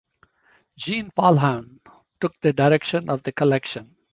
Jean Paulhan took the direction of the collection.